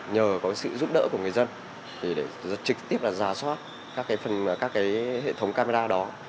nhờ có sự giúp đỡ của người dân để trực tiếp là giả soát các hệ thống camera đó